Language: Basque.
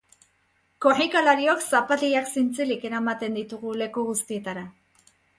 Korrikalariok zapatilak zintzilik eramaten ditugu leku guztietara.